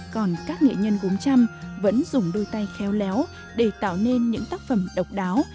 còn các nghệ nhân gốm trăm vẫn dùng đôi tay khéo léo để tạo nên những tác phẩm độc đáo